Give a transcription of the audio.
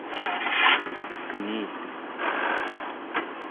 kenitek